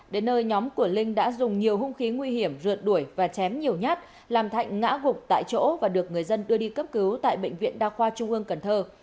đến nơi nhóm của linh đã dùng nhiều hung khí nguy hiểm rượt đuổi và chém nhiều nhát làm thạnh ngã gục tại chỗ và được người dân đưa đi cấp cứu tại bệnh viện đa khoa trung ương cần thơ